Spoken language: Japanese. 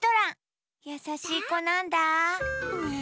やさしいこなんだ。